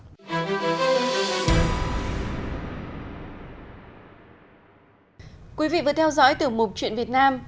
chúc các bạn đi word việt nam